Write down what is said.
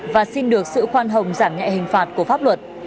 và xin được sự khoan hồng giảm nhẹ hình phạt của pháp luật